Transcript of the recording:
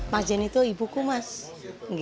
majen itu ibuku mas g